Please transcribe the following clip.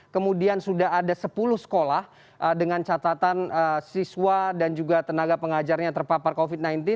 kemudian sudah ada sepuluh sekolah dengan catatan siswa dan juga tenaga pengajarnya terpapar covid sembilan belas